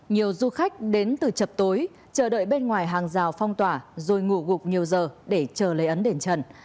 nhiều du khách đến từ chập tối chờ đợi bên ngoài hàng rào phong tỏa rồi ngủ gục nhiều giờ để chờ lấy ấn đền trần